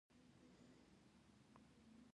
تر اوسه یې قبر چا ته نه دی معلوم او پټ دی.